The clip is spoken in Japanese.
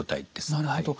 なるほど。